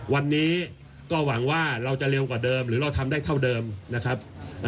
วันนี้ก็หวังว่าเราจะเร็วกว่าเดิมหรือเราทำได้เท่าเดิมนะครับ